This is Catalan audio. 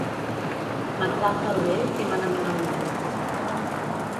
M'exalta el vell i m'enamora el nou.